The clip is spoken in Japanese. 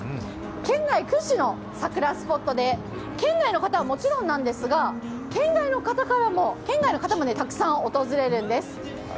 県内屈指の桜スポットで県内の方はもちろんなんですが、県外の方もたくさん訪れるんです。